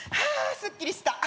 すっきりした。